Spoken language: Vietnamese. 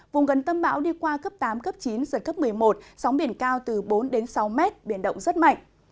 vùng gần tâm bão đi qua cấp tám cấp chín giật cấp một mươi một sóng biển cao từ bốn sáu mét biển động rất mạnh